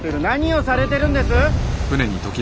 何をされてるんです。